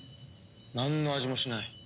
なんの味もしない。